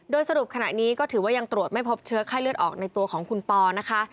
โดยสรุปขณะนี้ก็ถือว่ายังตรวจไม่พบเชื้อไข้เลือดออกในตัวของคุณปอนะคะ